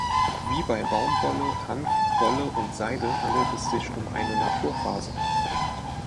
Wie bei Baumwolle, Hanf, Wolle und Seide handelt es sich um eine Naturfaser.